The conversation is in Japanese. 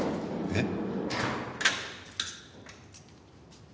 えっ？